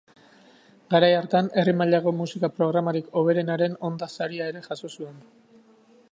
Garai hartan herri-mailako musika-programarik hoberenaren Ondas Saria ere jaso zuen.